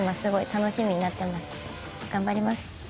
頑張ります。